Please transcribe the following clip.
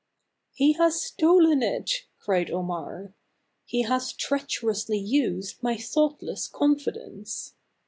" He has stolen it !" cried Omar. " He has treacherously used my thoughtless confidence."